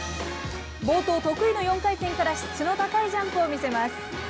冒頭、得意の４回転から質の高いジャンプを見せます。